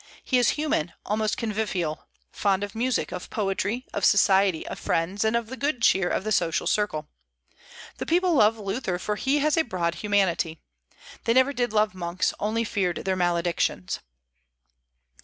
He is human, almost convivial, fond of music, of poetry, of society, of friends, and of the good cheer of the social circle. The people love Luther, for he has a broad humanity. They never did love monks, only feared their maledictions.